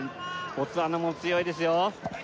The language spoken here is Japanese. ボツワナも強いですよ